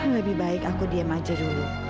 lebih baik aku diem aja dulu